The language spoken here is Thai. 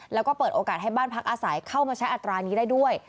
แล้วก็เปิดโอกาสให้บ้านพักอาศัยเข้ามาใช้อัตรานี้ได้ด้วย